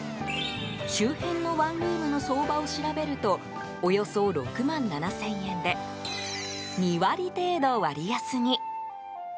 周辺のワンルームの相場を調べるとおよそ６万７０００円で２割程度割安に。